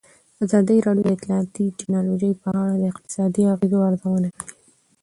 ازادي راډیو د اطلاعاتی تکنالوژي په اړه د اقتصادي اغېزو ارزونه کړې.